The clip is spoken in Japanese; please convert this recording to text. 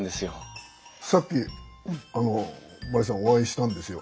さっきあの万里さんお会いしたんですよ。